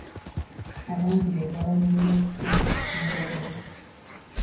Abangi be babalirira ekitundu ekisinga obunene